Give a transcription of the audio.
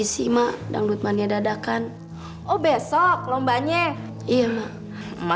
sampai jumpa di video selanjutnya